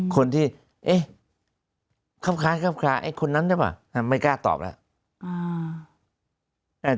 คนที่เอ๊ะครับค้าคนนั้นได้ป่ะไม่กล้าตอบแล้ว